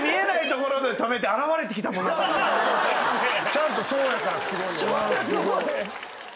ちゃんとそうやからすごいよな。